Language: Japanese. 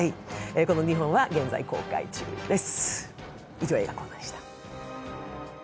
この２本は現在公開中です。